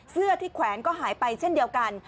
เสื้อที่แขวนก็หายไปเช่นเดียวกัน